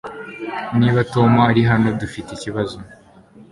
Niba Tom ari hano, dufite ikibazo.